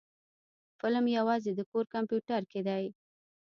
فلم يوازې د کور کمپيوټر کې دی.